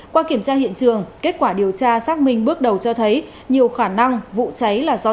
qua kiểm tra hiện trường kết quả điều tra xác minh bước đầu cho thấy nhiều khả năng vụ cháy là do